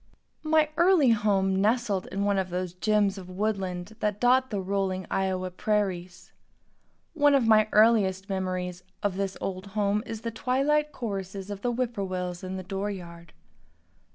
My early home nestled in one of those gems of woodland that dot the rolling Iowa prairies. One of my earliest memories of this old home is the twilight choruses of the whippoorwills in the door yard.